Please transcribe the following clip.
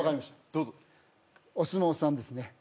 どうぞお相撲さんですね